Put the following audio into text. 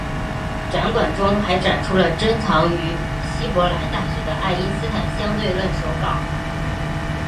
展馆中还展出了珍藏于希伯来大学的爱因斯坦相对论手稿。